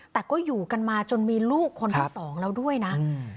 แต่ก็อยู่กันมาจนมีลูกคนที่สองแล้วด้วยนะ